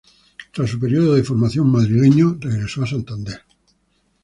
Tras su periodo de formación madrileño, regresó a Santander.